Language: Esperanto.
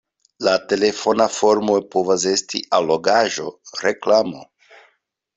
La telefona formo povas esti allogaĵo, reklamo.